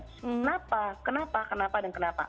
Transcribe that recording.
kenapa kenapa dan kenapa